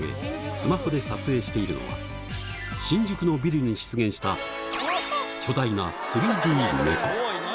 スマホで撮影しているのは新宿のビルに出現した巨大な３Ｄ猫スゴい何？